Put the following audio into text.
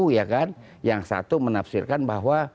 yang satu menafsirkan bahwa